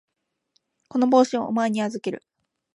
この帽子をお前に預ける。